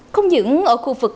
không những ở khu vực